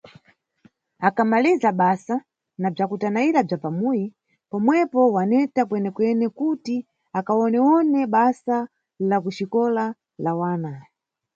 Akamaliza basa na bzwakutanayira bzwa pamuyi, pomwepo waneta kwenekwene kuti akawonewone basa la ku xikola la wana.